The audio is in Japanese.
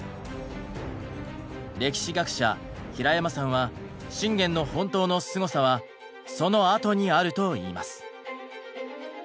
歴史学者平山さんは信玄の本当のすごさはそのあとにあると言います。